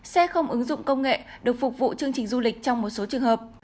xe không ứng dụng công nghệ được phục vụ chương trình du lịch trong một số trường hợp